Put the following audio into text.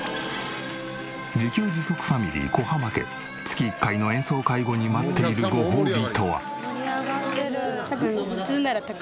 自給自足ファミリー小濱家月１回の演奏会後に待っているごほうびとは？